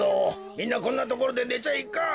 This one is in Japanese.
みんなこんなところでねちゃいかん。